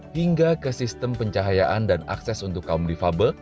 hingga ke sistem pencahayaan dan akses untuk kaum difabel